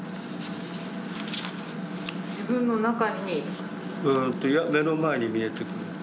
・自分の中に？いや目の前に見えてくる。